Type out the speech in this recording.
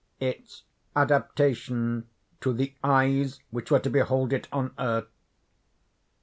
"Its adaptation to the eyes which were to behold it on earth."